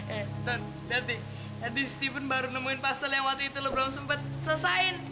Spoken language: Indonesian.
eh ton nanti nanti steven baru nemuin puzzle yang waktu itu lo belum sempet selesain